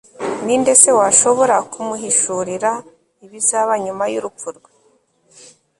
ni nde se washobora kumuhishurira ibizaba nyuma y'urupfu rwe